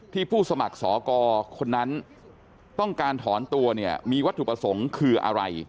ผู้สมัครสอกรคนนั้นต้องการถอนตัวเนี่ยมีวัตถุประสงค์คืออะไร